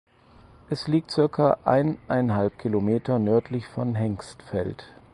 Es liegt circa eineinhalb Kilometer nördlich von Hengstfeld.